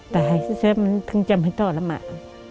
ตายเสร็จมันถึงจำให้ต่อแล้วมา